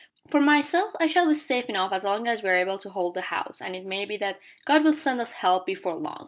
For myself, I shall be safe enough as long as we are able to hold the house, and it may be that God will send us help before long."